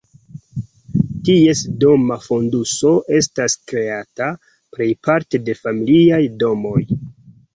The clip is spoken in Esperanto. Ties doma fonduso estas kreata plejparte de familiaj domoj.